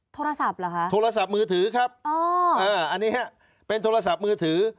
โทรศัพท์เหรอคะโทรศัพท์มือถือครับอันนี้ฮะเป็นโทรศัพท์มือถือ